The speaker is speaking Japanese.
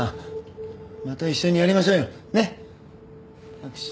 握手。